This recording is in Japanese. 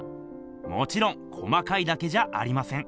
もちろん細かいだけじゃありません。